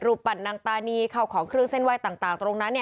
รูปปั้นนางตานีเข่าของครึ่งเส้นวายต่างตรงนั้น